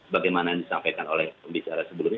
bagaimana yang disampaikan oleh pembicara sebelumnya